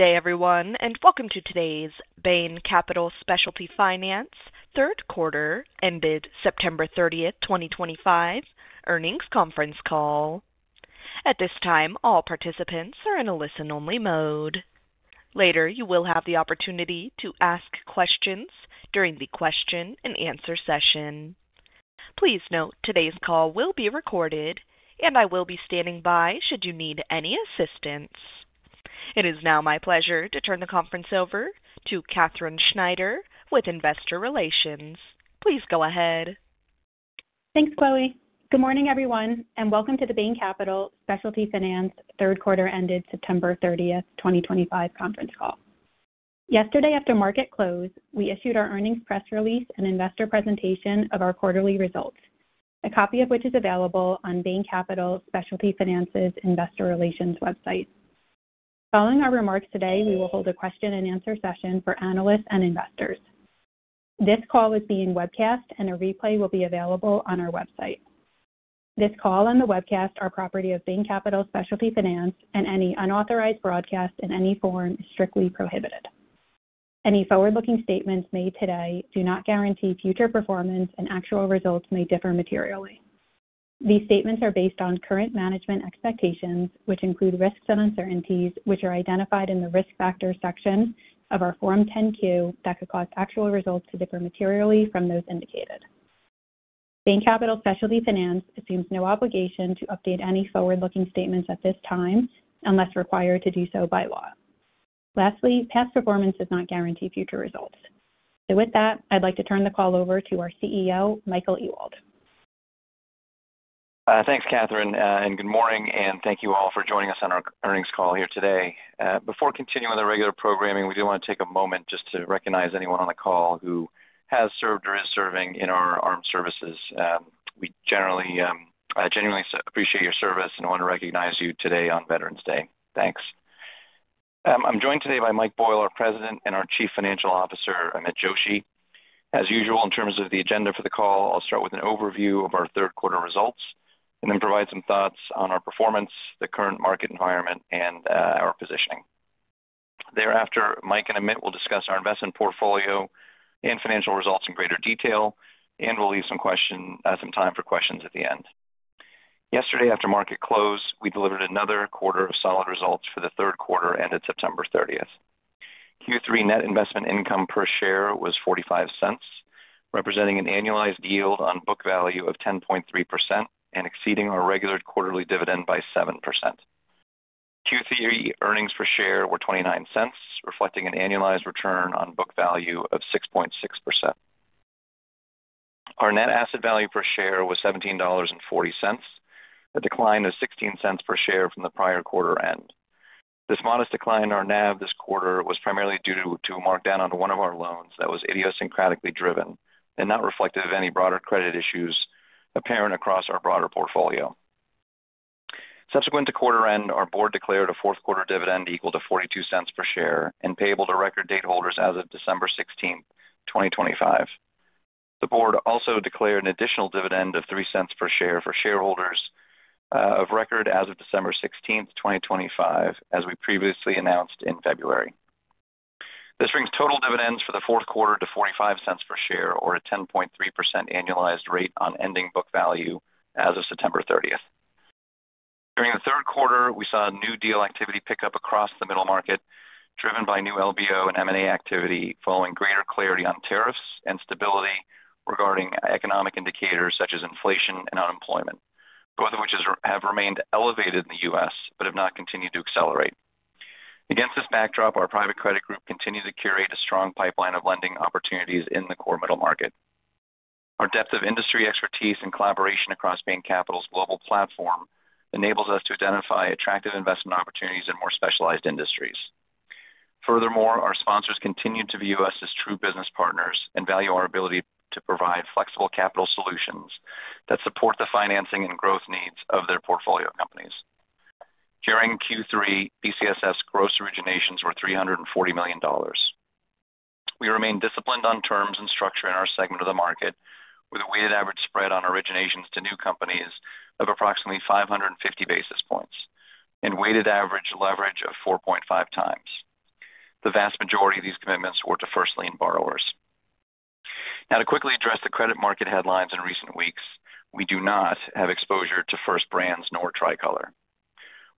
Good day, everyone, and welcome to today's Bain Capital Specialty Finance Third Quarter Ended September 30th, 2025 Earnings Conference Call. At this time, all participants are in a listen-only mode. Later, you will have the opportunity to ask questions during the Q&A session. Please note today's call will be recorded, and I will be standing by should you need any assistance. It is now my pleasure to turn the conference over to Katherine Schneider with Investor Relations. Please go ahead. Thanks, Chloe. Good morning, everyone, and welcome to the Bain Capital Specialty Finance Third Quarter Ended September 30th, 2025 Conference Call. Yesterday, after market close, we issued our earnings press release and investor presentation of our quarterly results, a copy of which is available on Bain Capital Specialty Finance's investor relations website. Following our remarks today, we will hold a Q&A session for analysts and investors. This call is being webcast, and a replay will be available on our website. This call and the webcast are property of Bain Capital Specialty Finance, and any unauthorized broadcast in any form is strictly prohibited. Any forward-looking statements made today do not guarantee future performance, and actual results may differ materially. These statements are based on current management expectations, which include risks and uncertainties, which are identified in the risk factor section of our Form 10-Q that could cause actual results to differ materially from those indicated. Bain Capital Specialty Finance assumes no obligation to update any forward-looking statements at this time unless required to do so by law. Lastly, past performance does not guarantee future results. With that, I'd like to turn the call over to our CEO, Michael Ewald. Thanks, Katherine, and good morning, and thank you all for joining us on our earnings call here today. Before continuing with our regular programming, we do want to take a moment just to recognize anyone on the call who has served or is serving in our armed services. We genuinely appreciate your service and want to recognize you today on Veterans Day. Thanks. I'm joined today by Mike Boyle, our President, and our Chief Financial Officer, Amit Joshi. As usual, in terms of the agenda for the call, I'll start with an overview of our third quarter results and then provide some thoughts on our performance, the current market environment, and our positioning. Thereafter, Mike and Amit will discuss our investment portfolio and financial results in greater detail, and we'll leave some time for questions at the end. Yesterday, after market close, we delivered another quarter of solid results for the third quarter ended September 30th. Q3 net investment income per share was $0.45, representing an annualized yield on book value of 10.3% and exceeding our regular quarterly dividend by 7%. Q3 earnings per share were $0.29, reflecting an annualized return on book value of 6.6%. Our net asset value per share was $17.40, a decline of $0.16 per share from the prior quarter end. This modest decline in our NAV this quarter was primarily due to a markdown on one of our loans that was idiosyncratically driven and not reflective of any broader credit issues apparent across our broader portfolio. Subsequent to quarter end, our board declared a fourth quarter dividend equal to $0.42 per share and payable to record date holders as of December 16th, 2025. The board also declared an additional dividend of $0.03 per share for shareholders of record as of December 16th, 2025, as we previously announced in February. This brings total dividends for the fourth quarter to $0.45 per share, or a 10.3% annualized rate on ending book value as of September 30th. During the third quarter, we saw new deal activity pick up across the middle market, driven by new LBO and M&A activity following greater clarity on tariffs and stability regarding economic indicators such as inflation and unemployment, both of which have remained elevated in the U.S. but have not continued to accelerate. Against this backdrop, our private credit group continues to curate a strong pipeline of lending opportunities in the core middle market. Our depth of industry expertise and collaboration across Bain Capital's global platform enables us to identify attractive investment opportunities in more specialized industries. Furthermore, our sponsors continue to view us as true business partners and value our ability to provide flexible capital solutions that support the financing and growth needs of their portfolio companies. During Q3, BCSF's gross originations were $340 million. We remain disciplined on terms and structure in our segment of the market, with a weighted average spread on originations to new companies of approximately 550 basis points and weighted average leverage of 4.5x. The vast majority of these commitments were to first lien borrowers. Now, to quickly address the credit market headlines in recent weeks, we do not have exposure to First Brands nor Tricolor.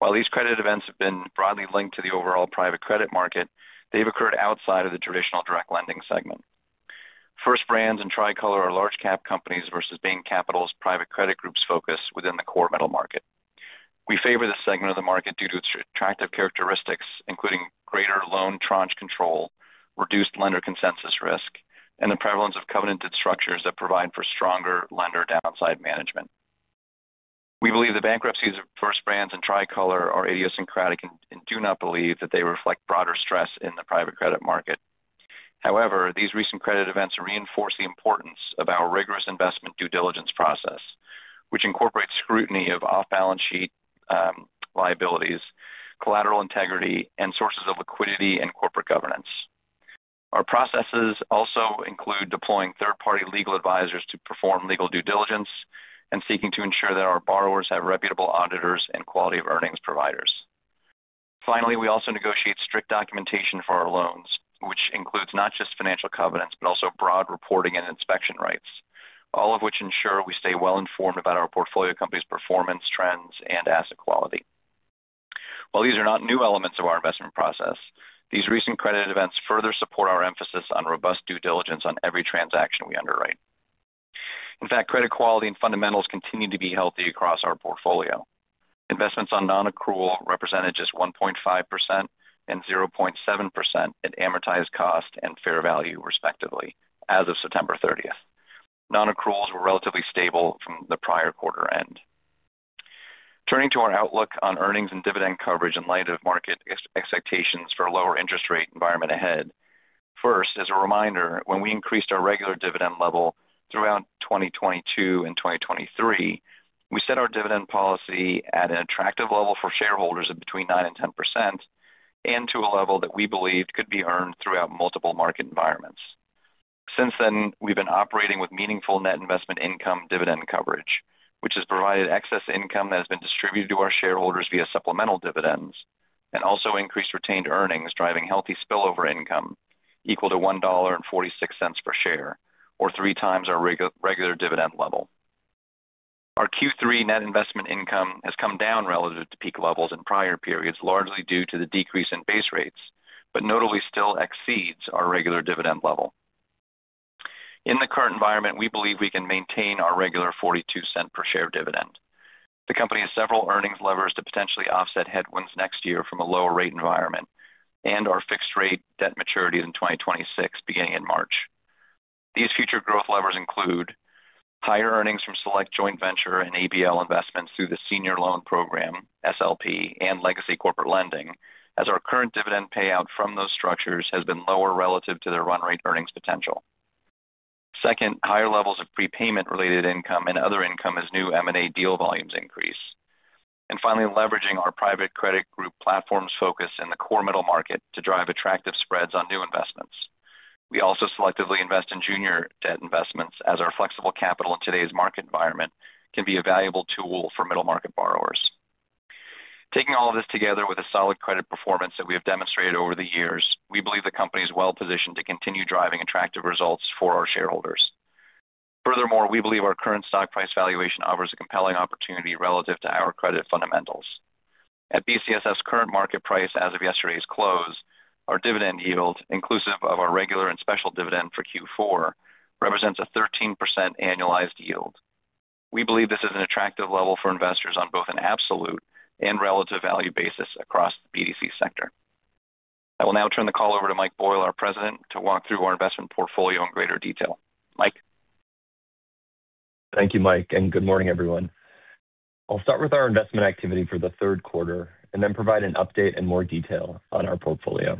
While these credit events have been broadly linked to the overall private credit market, they have occurred outside of the traditional direct lending segment. First Brands and Tricolor are large-cap companies versus Bain Capital's private credit group's focus within the core middle market. We favor this segment of the market due to its attractive characteristics, including greater loan tranche control, reduced lender consensus risk, and the prevalence of covenanted structures that provide for stronger lender downside management. We believe the bankruptcies of First Brands and Tricolor are idiosyncratic and do not believe that they reflect broader stress in the private credit market. However, these recent credit events reinforce the importance of our rigorous investment due diligence process, which incorporates scrutiny of off-balance sheet liabilities, collateral integrity, and sources of liquidity and corporate governance. Our processes also include deploying third-party legal advisors to perform legal due diligence and seeking to ensure that our borrowers have reputable auditors and quality of earnings providers. Finally, we also negotiate strict documentation for our loans, which includes not just financial covenants but also broad reporting and inspection rights, all of which ensure we stay well-informed about our portfolio company's performance, trends, and asset quality. While these are not new elements of our investment process, these recent credit events further support our emphasis on robust due diligence on every transaction we underwrite. In fact, credit quality and fundamentals continue to be healthy across our portfolio. Investments on non-accrual represented just 1.5% and 0.7% at amortized cost and fair value, respectively, as of September 30th. Non-accruals were relatively stable from the prior quarter end. Turning to our outlook on earnings and dividend coverage in light of market expectations for a lower interest rate environment ahead. First, as a reminder, when we increased our regular dividend level throughout 2022 and 2023, we set our dividend policy at an attractive level for shareholders of between 9% and 10% and to a level that we believed could be earned throughout multiple market environments. Since then, we've been operating with meaningful net investment income dividend coverage, which has provided excess income that has been distributed to our shareholders via supplemental dividends and also increased retained earnings, driving healthy spillover income equal to $1.46 per share, or three times our regular dividend level. Our Q3 net investment income has come down relative to peak levels in prior periods, largely due to the decrease in base rates, but notably still exceeds our regular dividend level. In the current environment, we believe we can maintain our regular $0.42 per share dividend. The company has several earnings levers to potentially offset headwinds next year from a lower rate environment and our fixed-rate debt maturity in 2026, beginning in March. These future growth levers include higher earnings from select joint venture and ABL investments through the senior loan program, SLP, and legacy corporate lending, as our current dividend payout from those structures has been lower relative to their run rate earnings potential. Second, higher levels of prepayment-related income and other income as new M&A deal volumes increase. Finally, leveraging our private credit group platform's focus in the core middle market to drive attractive spreads on new investments. We also selectively invest in junior debt investments as our flexible capital in today's market environment can be a valuable tool for middle market borrowers. Taking all of this together with the solid credit performance that we have demonstrated over the years, we believe the company is well-positioned to continue driving attractive results for our shareholders. Furthermore, we believe our current stock price valuation offers a compelling opportunity relative to our credit fundamentals. At BCSF's current market price as of yesterday's close, our dividend yield, inclusive of our regular and special dividend for Q4, represents a 13% annualized yield. We believe this is an attractive level for investors on both an absolute and relative value basis across the BDC sector. I will now turn the call over to Mike Boyle, our President, to walk through our investment portfolio in greater detail. Mike. Thank you, Mike, and good morning, everyone. I'll start with our investment activity for the third quarter and then provide an update in more detail on our portfolio.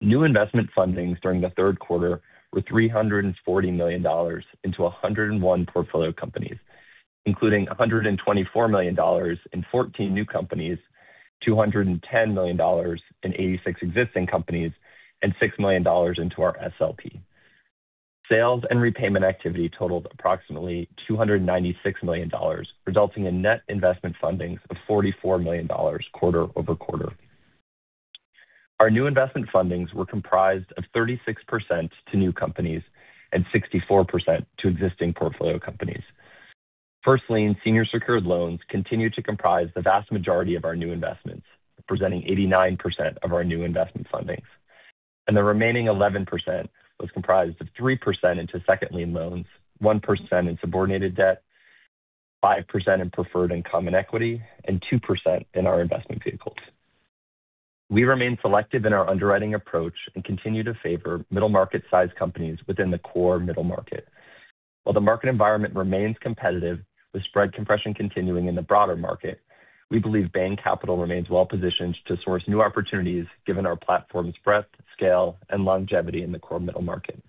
New investment fundings during the third quarter were $340 million into 101 portfolio companies, including $124 million in 14 new companies, $210 million in 86 existing companies, and $6 million into our SLP. Sales and repayment activity totaled approximately $296 million, resulting in net investment fundings of $44 million quarter-over-quarter. Our new investment fundings were comprised of 36% to new companies and 64% to existing portfolio companies. First lien senior secured loans continue to comprise the vast majority of our new investments, representing 89% of our new investment fundings. The remaining 11% was comprised of 3% into second lien loans, 1% in subordinated debt, 5% in preferred income and equity, and 2% in our investment vehicles. We remain selective in our underwriting approach and continue to favor middle market-sized companies within the core middle market. While the market environment remains competitive, with spread compression continuing in the broader market, we believe Bain Capital remains well-positioned to source new opportunities given our platform's breadth, scale, and longevity in the core middle market.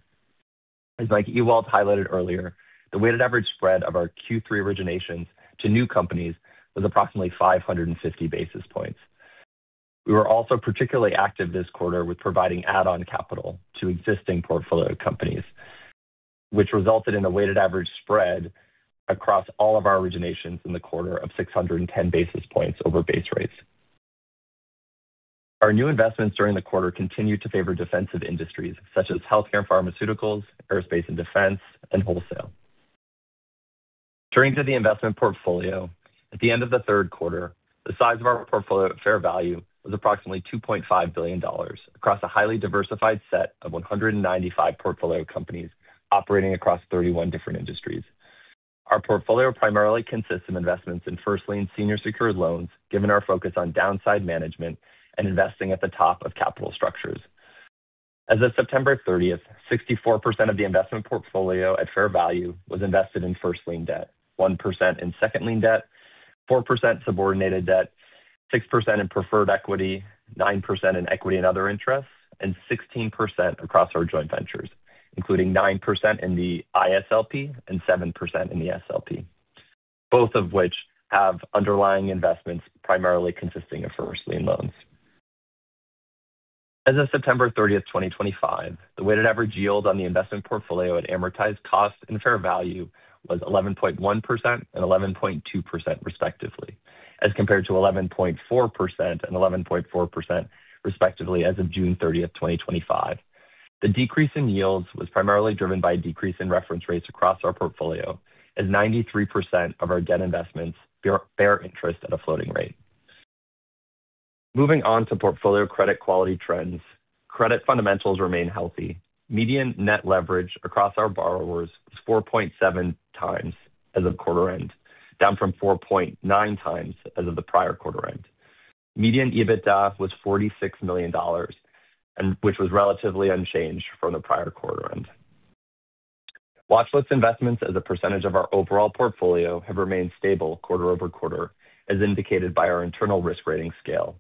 As Mike Ewald highlighted earlier, the weighted average spread of our Q3 originations to new companies was approximately 550 basis points. We were also particularly active this quarter with providing add-on capital to existing portfolio companies, which resulted in a weighted average spread across all of our originations in the quarter of 610 basis points over base rates. Our new investments during the quarter continued to favor defensive industries such as healthcare and pharmaceuticals, aerospace and defense, and wholesale. Turning to the investment portfolio, at the end of the third quarter, the size of our portfolio at fair value was approximately $2.5 billion across a highly diversified set of 195 portfolio companies operating across 31 different industries. Our portfolio primarily consists of investments in first lien senior secured loans, given our focus on downside management and investing at the top of capital structures. As of September 30th, 64% of the investment portfolio at fair value was invested in first lien debt, 1% in second lien debt, 4% subordinated debt, 6% in preferred equity, 9% in equity and other interests, and 16% across our joint ventures, including 9% in the ISLP and 7% in the SLP, both of which have underlying investments primarily consisting of first lien loans. As of September 30th, 2025, the weighted average yield on the investment portfolio at amortized cost and fair value was 11.1% and 11.2%, respectively, as compared to 11.4% and 11.4%, respectively, as of June 30th, 2025. The decrease in yields was primarily driven by a decrease in reference rates across our portfolio, as 93% of our debt investments bear interest at a floating rate. Moving on to portfolio credit quality trends, credit fundamentals remain healthy. Median net leverage across our borrowers was 4.7x as of quarter end, down from 4.9x as of the prior quarter end. Median EBITDA was $46 million, which was relatively unchanged from the prior quarter end. Watch list investments as a percentage of our overall portfolio have remained stable quarter-over-quarter, as indicated by our internal risk rating scale.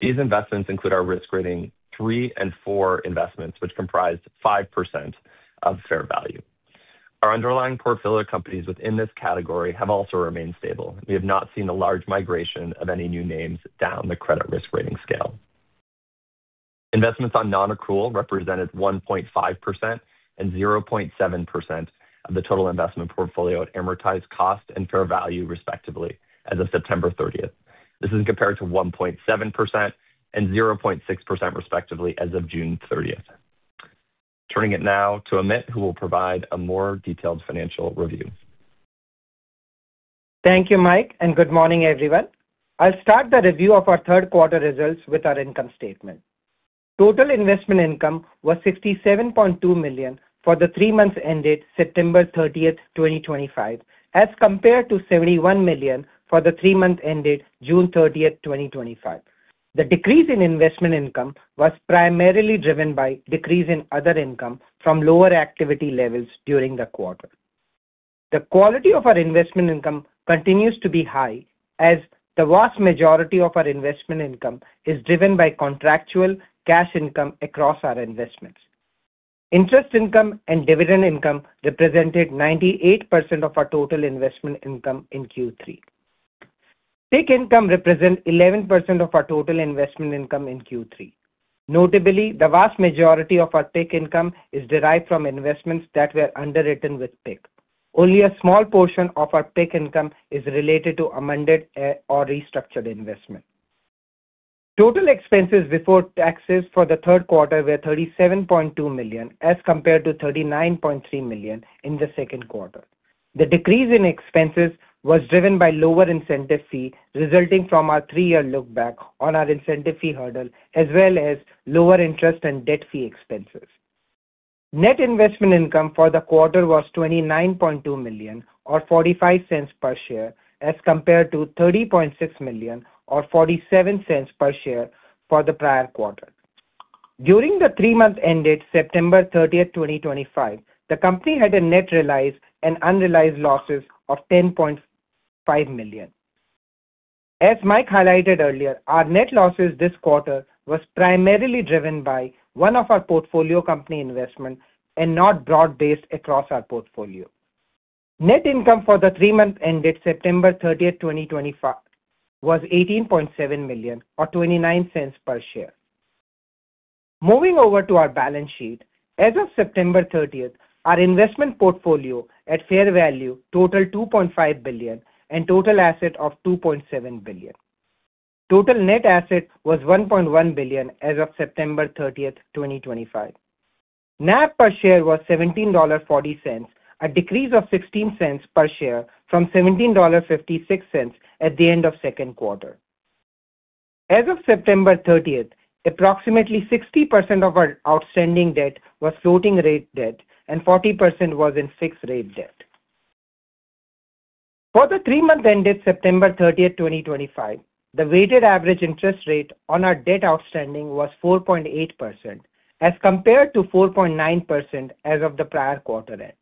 These investments include our risk rating three and four investments, which comprised 5% of fair value. Our underlying portfolio companies within this category have also remained stable. We have not seen a large migration of any new names down the credit risk rating scale. Investments on non-accrual represented 1.5% and 0.7% of the total investment portfolio at amortized cost and fair value, respectively, as of September 30th. This is compared to 1.7% and 0.6%, respectively, as of June 30th. Turning it now to Amit, who will provide a more detailed financial review. Thank you, Mike, and good morning, everyone. I'll start the review of our third quarter results with our income statement. Total investment income was $67.2 million for the three months ended September 30th, 2025, as compared to $71 million for the three months ended June 30th, 2025. The decrease in investment income was primarily driven by a decrease in other income from lower activity levels during the quarter. The quality of our investment income continues to be high, as the vast majority of our investment income is driven by contractual cash income across our investments. Interest income and dividend income represented 98% of our total investment income in Q3. PIC income represents 11% of our total investment income in Q3. Notably, the vast majority of our PIC income is derived from investments that were underwritten with PIC. Only a small portion of our PIC income is related to amended or restructured investment. Total expenses before taxes for the third quarter were $37.2 million, as compared to $39.3 million in the second quarter. The decrease in expenses was driven by lower incentive fee resulting from our three-year lookback on our incentive fee hurdle, as well as lower interest and debt fee expenses. Net investment income for the quarter was $29.2 million, or $0.45 per share, as compared to $30.6 million, or $0.47 per share for the prior quarter. During the three-month ended September 30th, 2025, the company had a net realized and unrealized losses of $10.5 million. As Mike highlighted earlier, our net losses this quarter were primarily driven by one of our portfolio company investments and not broad-based across our portfolio. Net income for the three-month ended September 30th, 2025, was $18.7 million, or $0.29 per share. Moving over to our balance sheet, as of September 30th, our investment portfolio at fair value totaled $2.5 billion and total assets of $2.7 billion. Total net assets were $1.1 billion as of September 30th, 2025. NAV per share was $17.40, a decrease of $0.16 per share from $17.56 at the end of the second quarter. As of September 30th, approximately 60% of our outstanding debt was floating-rate debt, and 40% was in fixed-rate debt. For the three-month ended September 30th, 2025, the weighted average interest rate on our debt outstanding was 4.8%, as compared to 4.9% as of the prior quarter end.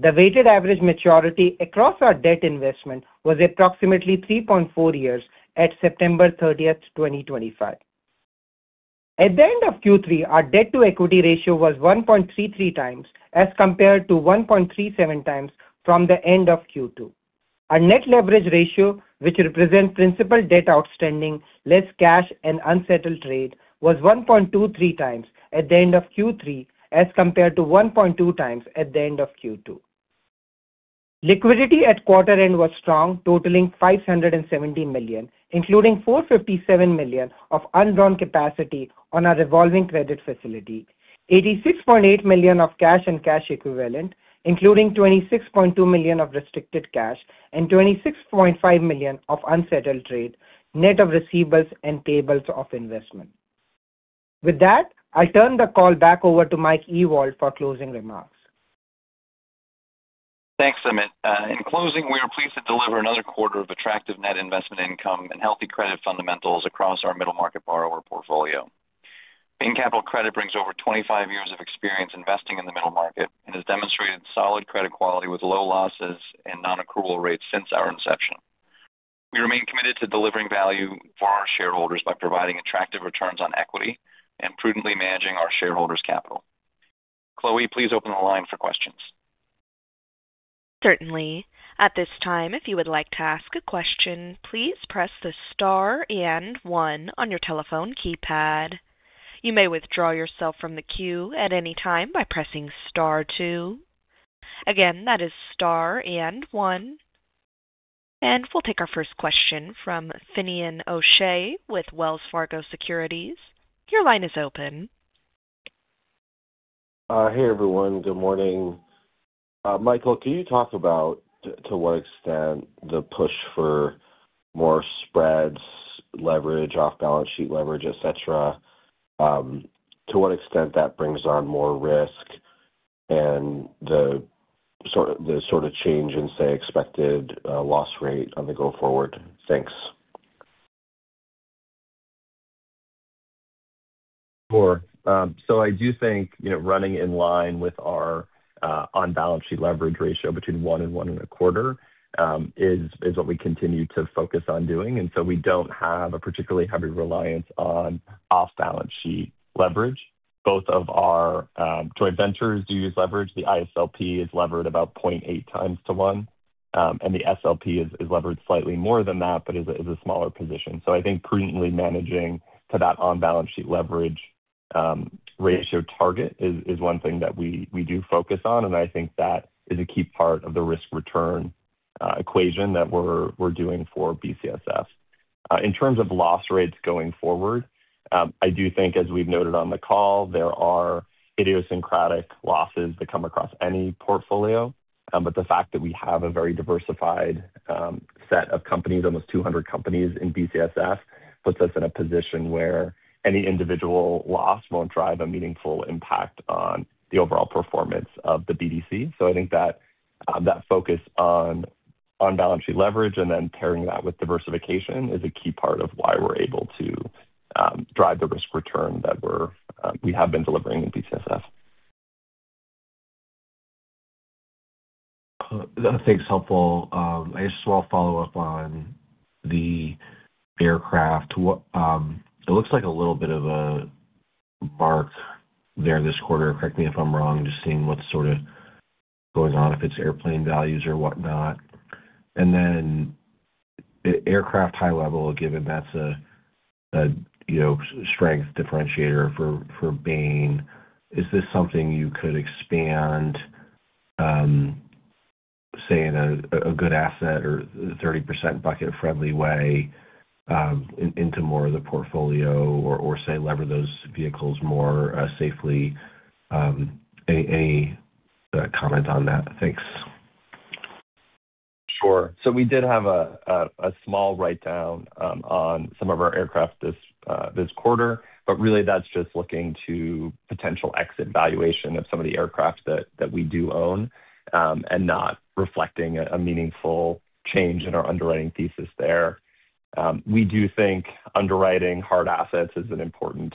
The weighted average maturity across our debt investment was approximately 3.4 years at September 30th, 2025. At the end of Q3, our debt-to-equity ratio was 1.33x, as compared to 1.37x from the end of Q2. Our net leverage ratio, which represents principal debt outstanding less cash and unsettled trade, was 1.23x at the end of Q3, as compared to 1.2x at the end of Q2. Liquidity at quarter end was strong, totaling $570 million, including $457 million of undrawn capacity on our revolving credit facility, $86.8 million of cash and cash equivalent, including $26.2 million of restricted cash, and $26.5 million of unsettled trade, net of receivables and payables of investment. With that, I'll turn the call back over to Mike Ewald for closing remarks. Thanks, Amit. In closing, we are pleased to deliver another quarter of attractive net investment income and healthy credit fundamentals across our middle market borrower portfolio. Bain Capital Credit brings over 25 years of experience investing in the middle market and has demonstrated solid credit quality with low losses and non-accrual rates since our inception. We remain committed to delivering value for our shareholders by providing attractive returns on equity and prudently managing our shareholders' capital. Chloe, please open the line for questions. Certainly. At this time, if you would like to ask a question, please press the star and one on your telephone keypad. You may withdraw yourself from the queue at any time by pressing star two. Again, that is star and one. We will take our first question from Finian O'Shea with Wells Fargo Securities. Your line is open. Hey, everyone. Good morning. Michael, can you talk about to what extent the push for more spreads, leverage, off-balance sheet leverage, et cetera, to what extent that brings on more risk and the sort of change in, say, expected loss rate on the go forward? Thanks. Sure. I do think running in line with our on-balance sheet leverage ratio between one and one and a quarter is what we continue to focus on doing. We do not have a particularly heavy reliance on off-balance sheet leverage. Both of our joint ventures do use leverage. The ISLP is levered about 0.8x to one, and the SLP is levered slightly more than that, but is a smaller position. I think prudently managing to that on-balance sheet leverage ratio target is one thing that we do focus on, and I think that is a key part of the risk-return equation that we are doing for BCSF. In terms of loss rates going forward, I do think, as we've noted on the call, there are idiosyncratic losses that come across any portfolio, but the fact that we have a very diversified set of companies, almost 200 companies in BCSF, puts us in a position where any individual loss won't drive a meaningful impact on the overall performance of the BDC. I think that focus on on-balance sheet leverage and then pairing that with diversification is a key part of why we're able to drive the risk-return that we have been delivering in BCSF. I think it's helpful. I just want to follow up on the aircraft. It looks like a little bit of a mark there this quarter. Correct me if I'm wrong, just seeing what's sort of going on, if it's airplane values or whatnot. Aircraft high-level, given that's a strength differentiator for Bain, is this something you could expand, say, in a good asset or 30% bucket-friendly way into more of the portfolio or, say, lever those vehicles more safely? Any comment on that? Thanks. Sure. We did have a small write-down on some of our aircraft this quarter, but really that is just looking to potential exit valuation of some of the aircraft that we do own and not reflecting a meaningful change in our underwriting thesis there. We do think underwriting hard assets is an important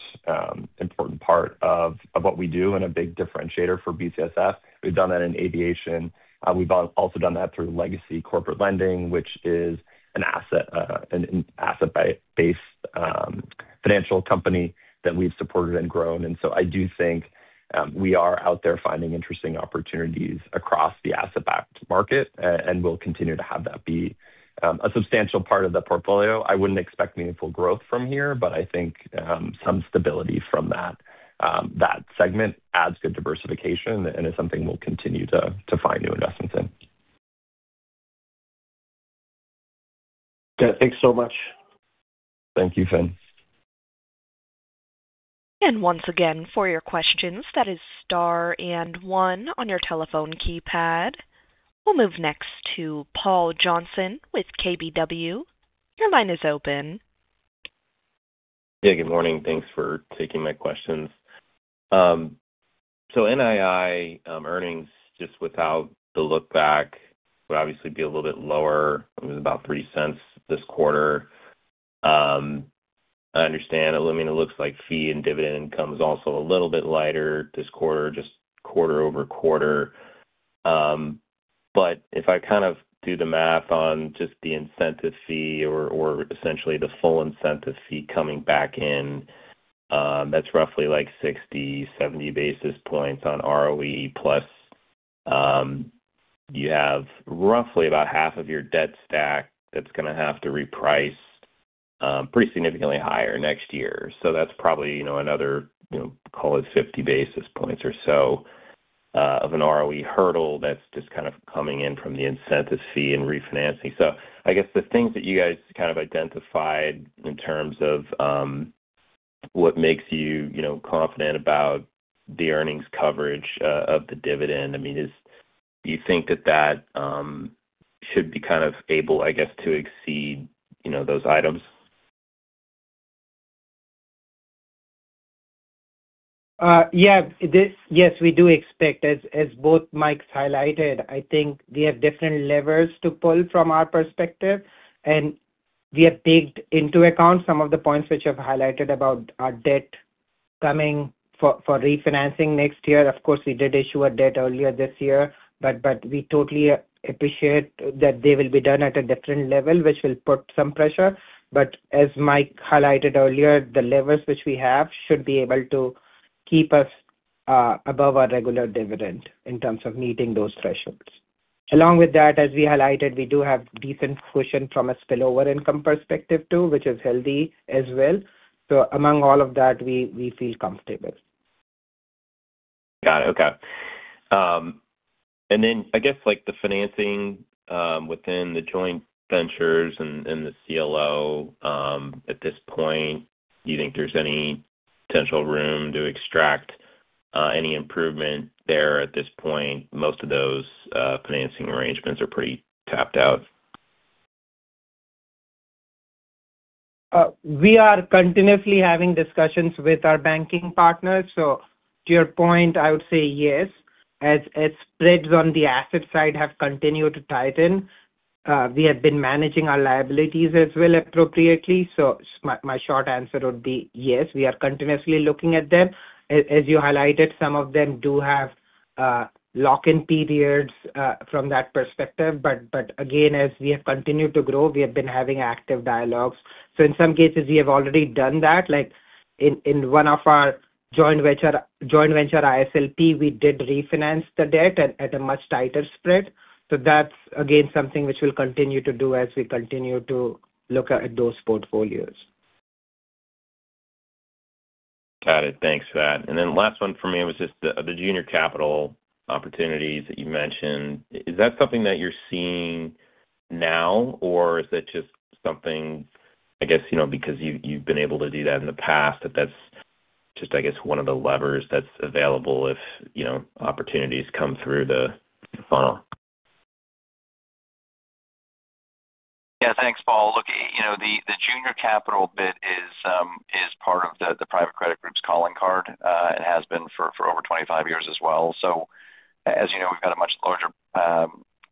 part of what we do and a big differentiator for BCSF. We have done that in aviation. We have also done that through legacy corporate lending, which is an asset-based financial company that we have supported and grown. I do think we are out there finding interesting opportunities across the asset-backed market and will continue to have that be a substantial part of the portfolio. I would not expect meaningful growth from here, but I think some stability from that segment adds good diversification and is something we will continue to find new investments in. Thanks so much. Thank you, Finian. Once again, for your questions, that is star and one on your telephone keypad. We'll move next to Paul Johnson with KBW. Your line is open. Yeah, good morning. Thanks for taking my questions. NII earnings, just without the lookback, would obviously be a little bit lower. It was about $0.03 this quarter. I understand. I mean, it looks like fee and dividend income is also a little bit lighter this quarter, just quarter-over-quarter. If I kind of do the math on just the incentive fee or essentially the full incentive fee coming back in, that's roughly like 60-70 basis points on ROE, plus you have roughly about half of your debt stack that's going to have to reprice pretty significantly higher next year. That's probably another, call it 50 basis points or so of an ROE hurdle that's just kind of coming in from the incentive fee and refinancing. I guess the things that you guys kind of identified in terms of what makes you confident about the earnings coverage of the dividend, I mean, do you think that that should be kind of able, I guess, to exceed those items? Yeah. Yes, we do expect, as both Mikes highlighted, I think we have different levers to pull from our perspective, and we have taken into account some of the points which I've highlighted about our debt coming for refinancing next year. Of course, we did issue a debt earlier this year, but we totally appreciate that they will be done at a different level, which will put some pressure. As Mike highlighted earlier, the levers which we have should be able to keep us above our regular dividend in terms of meeting those thresholds. Along with that, as we highlighted, we do have decent cushion from a spillover income perspective too, which is healthy as well. Among all of that, we feel comfortable. Got it. Okay. I guess the financing within the joint ventures and the CLO at this point, do you think there's any potential room to extract any improvement there at this point? Most of those financing arrangements are pretty tapped out. We are continuously having discussions with our banking partners. To your point, I would say yes, as spreads on the asset side have continued to tighten. We have been managing our liabilities as well appropriately. My short answer would be yes. We are continuously looking at them. As you highlighted, some of them do have lock-in periods from that perspective. Again, as we have continued to grow, we have been having active dialogues. In some cases, we have already done that. In one of our joint venture ISLP, we did refinance the debt at a much tighter spread. That is, again, something which we will continue to do as we continue to look at those portfolios. Got it. Thanks for that. Last one for me was just the junior capital opportunities that you mentioned. Is that something that you're seeing now, or is that just something, I guess, because you've been able to do that in the past, that that's just, I guess, one of the levers that's available if opportunities come through the funnel? Yeah. Thanks, Paul. Look, the junior capital bit is part of the private credit group's calling card and has been for over 25 years as well. As you know, we've got a much larger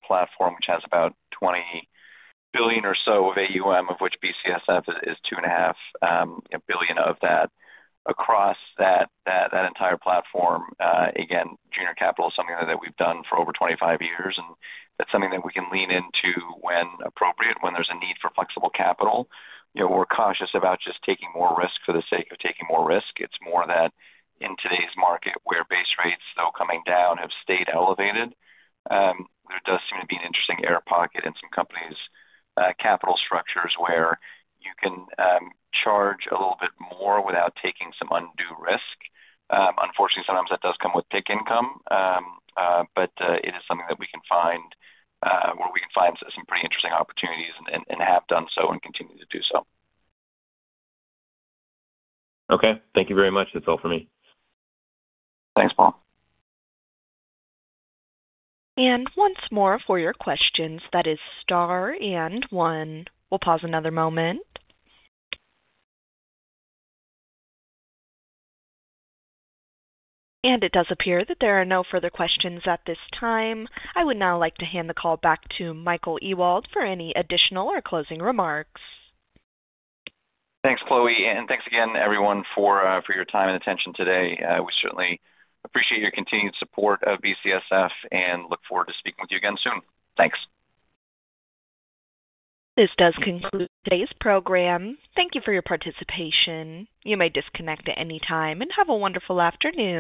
platform, which has about $20 billion or so of AUM, of which BCSF is $2.5 billion of that. Across that entire platform, again, junior capital is something that we've done for over 25 years, and that's something that we can lean into when appropriate, when there's a need for flexible capital. We're cautious about just taking more risk for the sake of taking more risk. It's more that in today's market, where base rates, though coming down, have stayed elevated, there does seem to be an interesting air pocket in some companies' capital structures where you can charge a little bit more without taking some undue risk. Unfortunately, sometimes that does come with PIC income, but it is something that we can find where we can find some pretty interesting opportunities and have done so and continue to do so. Okay. Thank you very much. That's all for me. Thanks, Paul. Once more for your questions, that is star and one. We'll pause another moment. It does appear that there are no further questions at this time. I would now like to hand the call back to Michael Ewald for any additional or closing remarks. Thanks, Chloe. Thanks again, everyone, for your time and attention today. We certainly appreciate your continued support of BCSF and look forward to speaking with you again soon. Thanks. This does conclude today's program. Thank you for your participation. You may disconnect at any time and have a wonderful afternoon.